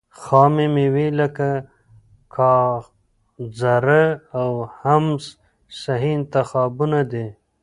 خامې مېوې لکه ګاځره او حمص صحي انتخابونه دي.